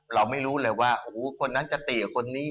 เราไม่รู้เลยว่าโอ้โหคนนั้นจะตีกับคนนี้